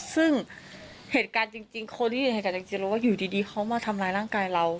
ซึ่งเหตุการณ์จริงคนที่อยู่ในเหตุการณ์จริงรู้ว่าอยู่ดีเขามาทำร้ายร่างกายเรา